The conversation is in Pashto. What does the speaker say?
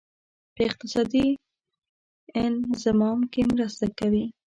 په اقتصادي انضمام کې مرسته کوي.